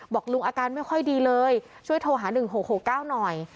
บอกลุงอาการไม่ค่อยดีเลยช่วยโทรหา๑๖๖๙หน่อย